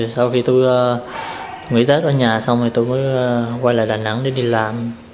sau khi tôi nghỉ tết ở nhà xong tôi mới quay lại đà nẵng để đi làm